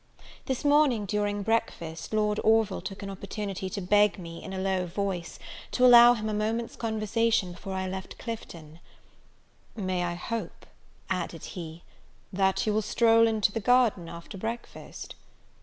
This morning, during breakfast, Lord Orville took an opportunity to beg me, in a low voice, to allow him a moment's conversation before I left Clifton; "May I hope," added he, "that you will stroll into the garden after breakfast?"